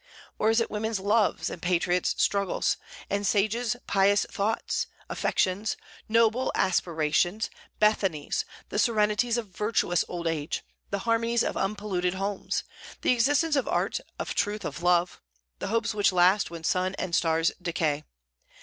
or is it women's loves and patriots' struggles, and sages' pious thoughts, affections, noble aspirations, Bethanies, the serenities of virtuous old age, the harmonies of unpolluted homes, the existence of art, of truth, of love; the hopes which last when sun and stars decay?